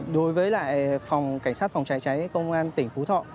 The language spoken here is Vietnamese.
đối với lại phòng cảnh sát phòng cháy cháy công an tỉnh phú thọ